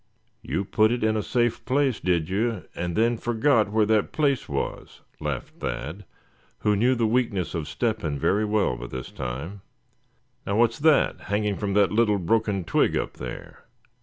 "You put it in a safe place, did you, and then forgot where that place was?" laughed Thad, who knew the weakness of Step hen very well by this time. "Now, what's that hanging from that little broken twig up there?"